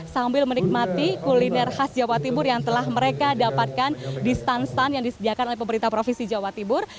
sambil menikmati kuliner khas jawa timur yang telah mereka dapatkan di stand stand yang disediakan oleh pemerintah provinsi jawa timur